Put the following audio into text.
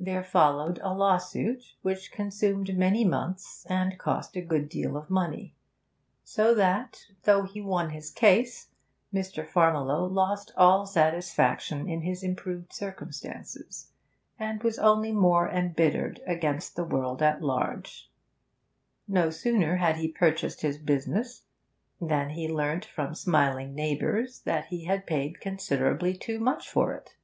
There followed a law suit, which consumed many months and cost a good deal of money; so that, though he won his case, Mr. Farmiloe lost all satisfaction in his improved circumstances, and was only more embittered against the world at large. Then, no sooner had he purchased his business, than he learnt from smiling neighbours that he had paid considerably too much for it.